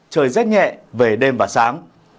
trời rét nhẹ về đêm và sáng